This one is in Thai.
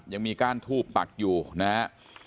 ยังมีก้านทูบปักอยู่นะฮะ